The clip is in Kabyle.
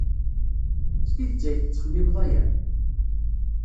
S tidet ay tettxemmimed aya?